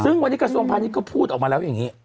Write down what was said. ซึ่งวันนี้กระทรวงพาณิชยก็พูดออกมาแล้วอย่างนี้